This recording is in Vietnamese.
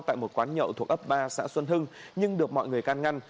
tại một quán nhậu thuộc ấp ba xã xuân hưng nhưng được mọi người can ngăn